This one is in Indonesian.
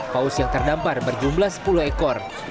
paus yang terdampar berjumlah sepuluh ekor